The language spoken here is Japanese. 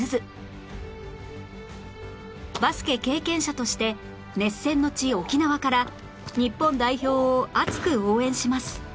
バスケ経験者として熱戦の地沖縄から日本代表を熱く応援します